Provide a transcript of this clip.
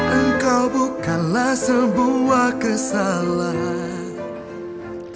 engkau bukanlah sebuah kesalahan